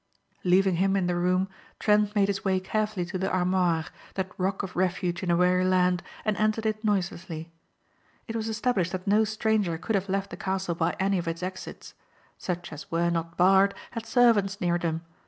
Leaving him in the room Trent made his way carefully to the armoire, that rock of refuge in a weary land, and entered it noiselessly. It was established that no stranger could have left the castle by any of its exits. Such as were not barred had servants near them.